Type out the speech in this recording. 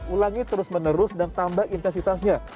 ulangi terus menerus dan tambah intensitasnya